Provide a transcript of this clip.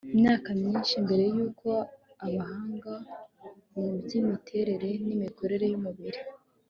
imyaka myinshi mbere y'uko abahanga mu by'imiterere n'imikorere y'umubiri